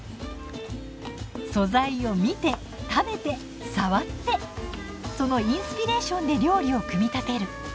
素材を見て食べて触ってそのインスピレーションで料理を組み立てる。